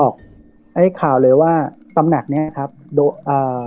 ไอ้ข่าวเลยว่าตำหนักเนี้ยครับโดยอ่า